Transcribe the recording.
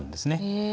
へえ。